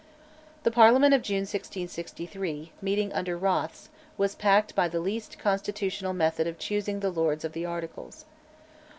The Parliament of June 1663, meeting under Rothes, was packed by the least constitutional method of choosing the Lords of the Articles.